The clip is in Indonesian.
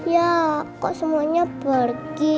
ya kok semuanya pergi